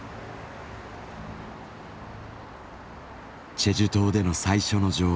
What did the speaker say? チェジュ島での最初の上映。